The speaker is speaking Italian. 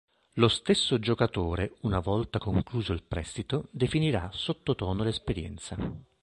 Lo stesso giocatore, una volta concluso il prestito, definirà sottotono l'esperienza.